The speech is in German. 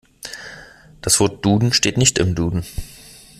Das Wort Duden steht nicht im Duden.